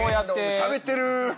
しゃべってる。